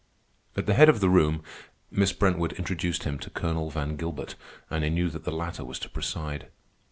At the head of the room, Miss Brentwood introduced him to Colonel Van Gilbert, and I knew that the latter was to preside.